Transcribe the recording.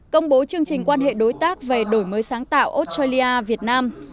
công bố chương trình quan hệ đối tác về đổi mới sáng tạo australia việt nam